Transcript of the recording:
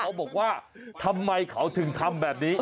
เขาบอกว่าทำไมเขาถึงทำแบบนี้